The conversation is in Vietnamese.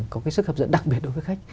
có cái sức hấp dẫn đặc biệt đối với khách